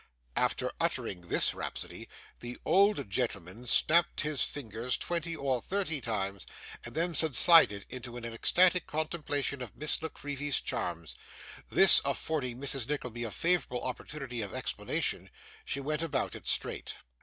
After uttering this rhapsody, the old gentleman snapped his fingers twenty or thirty times, and then subsided into an ecstatic contemplation of Miss La Creevy's charms. This affording Mrs. Nickleby a favourable opportunity of explanation, she went about it straight.